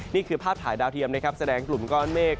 นี่คือภาพถ่ายดาวเทียมนะครับแสดงกลุ่มก้อนเมฆ